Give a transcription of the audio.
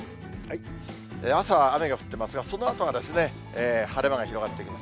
朝、雨が降ってますが、そのあとは、晴れ間が広がってきます。